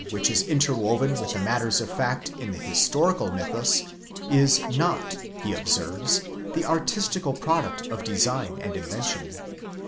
which is interwoven with the matters of fact in the historical mythus is not, he observes, the artistical product of design and invention.